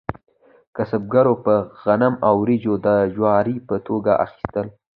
کسبګرو به غنم او وریجې د اجورې په توګه اخیستل.